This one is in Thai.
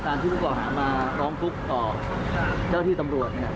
การที่ลูกอาหารมาร้องกลุ๊กต่อเจ้าที่ตำรวจเนี่ย